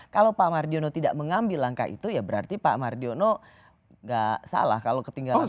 kalau pak mardiono tidak mengambil langkah itu ya berarti pak mardiono nggak salah kalau ketinggalan